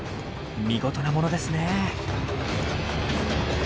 見事なものですね。